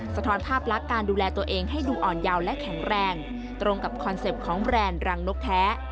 สะท้อนภาพลักษณ์การดูแลตัวเองให้ดูอ่อนเยาว์และแข็งแรงตรงกับคอนเซ็ปต์ของแบรนด์รังนกแท้